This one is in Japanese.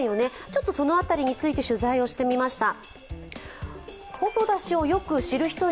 ちょっとその辺りについて取材してみました。